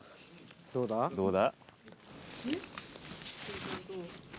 ・どうだ？